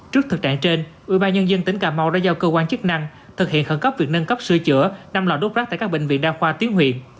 trước thực trạng trên ubnd tỉnh cà mau đã giao cơ quan chức năng thực hiện khẩn cấp việc nâng cấp sửa chữa năm lò đốt rác tại các bệnh viện đa khoa tuyến huyện